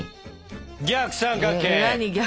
逆三角形！